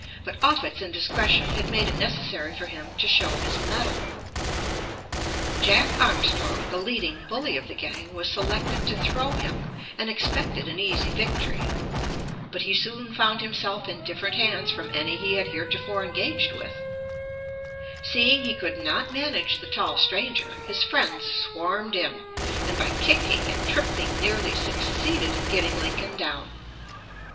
But Offutt's indiscretion had made it necessary for him to show his mettle. Jack Armstrong, the leading bully of the gang, was selected to throw him, and expected an easy victory. But he soon found himself in different hands from any he had heretofore engaged with. Seeing he could not manage the tall stranger, his friends swarmed in, and by kicking and tripping nearly succeeded in getting Lincoln down.